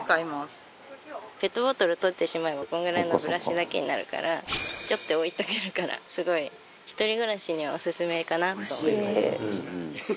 ペットボトル取ってしまえばこのぐらいのブラシだけになるからちょんと置いておけるからすごい一人暮らしにはオススメかなと思います。